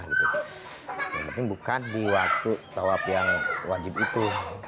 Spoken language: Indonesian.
yang penting bukan di waktu tawaf yang wajib itu